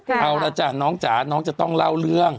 เอาละจ้ะน้องจ๋าน้องจะต้องเล่าเรื่อง